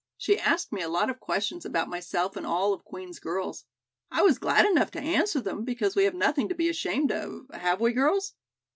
She asked me a lot of questions about myself and all of Queen's girls. I was glad enough to answer them, because we have nothing to be ashamed of, have we, girls?"